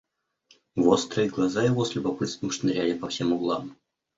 Вострые глаза его с любопытством шныряли по всем углам.